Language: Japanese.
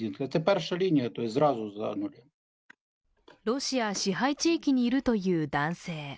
ロシア支配地域にいるという男性。